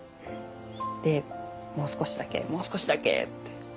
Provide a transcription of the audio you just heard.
でもう少しだけもう少しだけって。